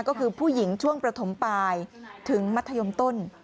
ก็คือผู้หญิงช่วงประถมปลายถึงมัธยมต้น